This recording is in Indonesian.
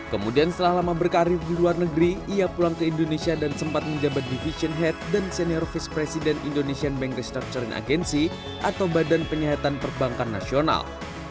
kemudian setelah lama berkarir di luar negeri ia pulang ke indonesia dan sempat menjabat division head dan senior vice president indonesian bank restructuring agency atau badan penyihatan perbankan nasional